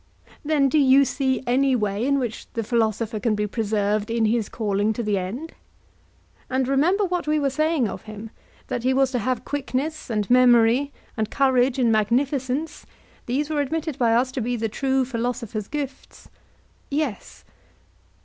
Then, do you see any way in which the philosopher can be preserved in his calling to the end? and remember what we were saying of him, that he was to have quickness and memory and courage and magnificence—these were admitted by us to be the true philosopher's gifts. Yes.